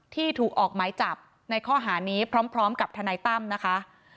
ที่ถูกออกหมายจับในข้อหานี้พร้อมกับทนายตั้มนะคะ